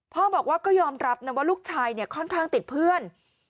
พ่อบอกว่าก็ยอมรับนะว่าลูกชายค่อนข้างติดเพื่อน